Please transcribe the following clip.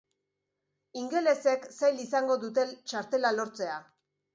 Ingelesek zail izango dute txartela lortzea.